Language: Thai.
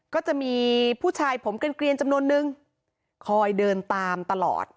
ก็จะมีผู้ชายผมเกลียนจำนวนนึงคอยเดินตามตลอด